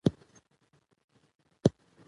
اوبه په کوهي کې وې.